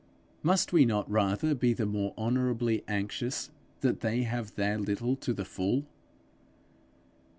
Must we not rather be the more honourably anxious that they have their little to the full.